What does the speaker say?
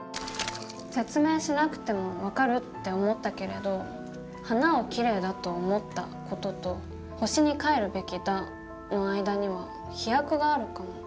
説明しなくても分かるって思ったけれど「花をキレイだと思った」事と「星に帰るべきだ」の間には飛躍があるかも。